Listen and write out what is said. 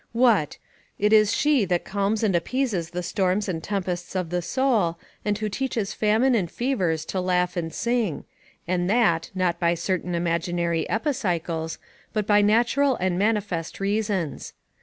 What! It is she that calms and appeases the storms and tempests of the soul, and who teaches famine and fevers to laugh and sing; and that, not by certain imaginary epicycles, but by natural and manifest reasons.